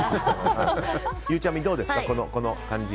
ゆうちゃみどうですかこの感じ。